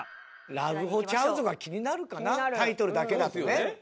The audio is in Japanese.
「ラブホちゃうぞ！」が気になるかなタイトルだけだとね。